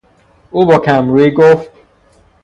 او با کم رویی گفت...